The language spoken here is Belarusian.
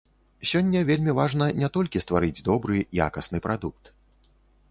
Сёння вельмі важна не толькі стварыць добры, якасны прадукт.